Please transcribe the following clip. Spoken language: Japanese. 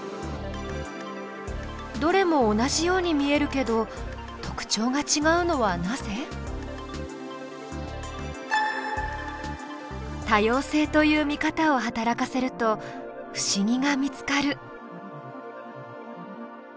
どれも同じように見えるけど特徴がちがうのはなぜ？多様性という見方を働かせると不思議が見つかる。